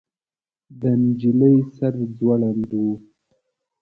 د نجلۍ سر ځوړند و.